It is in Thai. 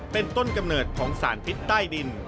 เป็นต้นกำเนิดของสารพิษใต้ดิน